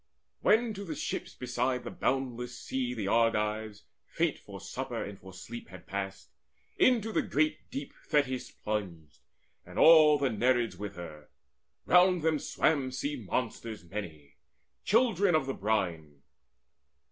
When to the ships beside the boundless sea The Argives, faint for supper and for sleep, Had passed, into the great deep Thetis plunged, And all the Nereids with her. Round them swam Sea monsters many, children of the brine.